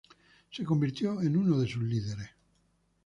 Se convirtió en uno de sus líderes.